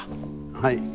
はい。